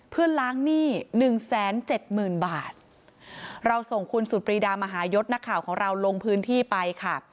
เพื่อล้างหนี้หนึ่งแสนเจ็ดหมื่นบาทเราส่งคุณสุดปรีดามหายศนักข่าวของเราลงพื้นที่ไปค่ะ